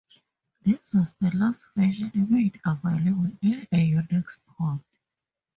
This was the last version made available in a Unix port.